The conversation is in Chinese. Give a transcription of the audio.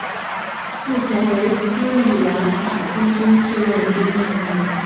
目前为斯里兰卡空军志愿军成员。